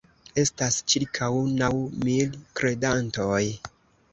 Estas ĉirkaŭ naŭ mil kredantoj.